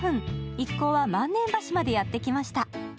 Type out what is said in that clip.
一行は萬年橋までやってきました。